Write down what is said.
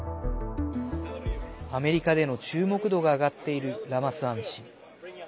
アメリカでの注目度が上がっているラマスワミ氏。